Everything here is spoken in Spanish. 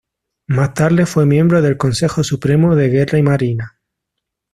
Más tarde fue miembro del Consejo Supremo de Guerra y Marina.